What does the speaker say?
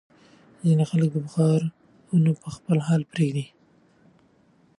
ځینې خلک بخارونه پر خپل حال پرېږدي.